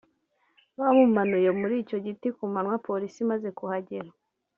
Bamumanuye muri icyo giti ku manywa Polisi imaze kuhagera